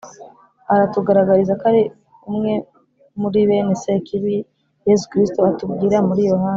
aratugaragariza ko ari umwe muri bene Sekibi Yezu Kristu atubwira muri Yohani